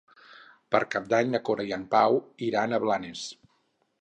Per Cap d'Any na Cora i en Pau iran a Blanes.